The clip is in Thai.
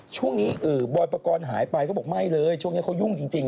ช่วงนี้บอยประกอลหายไปเขาบอกไม่เลย